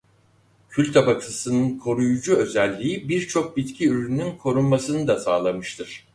Kül tabakasının koruyucu özelliği birçok bitki ürününün korunmasını da sağlamıştır.